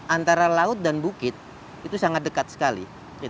antara laut dan bukit itu sangat dekat sekali